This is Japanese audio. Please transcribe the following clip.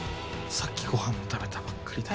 さっきご飯も食べたばっかりだし。